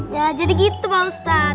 ya jadi gitu pak ustadz